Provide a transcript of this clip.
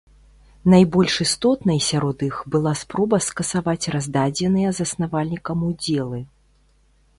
Найбольш істотнай сярод іх была спроба скасаваць раздадзеныя заснавальнікам удзелы.